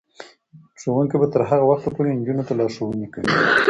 ښوونکې به تر هغه وخته پورې نجونو ته لارښوونې کوي.